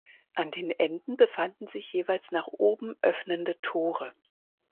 An den Enden befanden sich jeweils nach oben öffnende Tore.